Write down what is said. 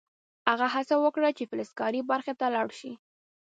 هغه هڅه وکړه چې فلزکاري برخې ته لاړ شي